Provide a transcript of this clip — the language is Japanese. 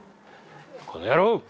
この野郎！